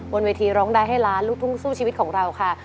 บนเวทีร้องได้ให้ล้านลูกทุ่งสู้ชีวิตของเราค่ะ